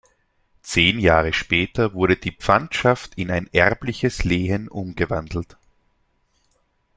Zehn Jahre später wurde die Pfandschaft in ein erbliches Lehen umgewandelt.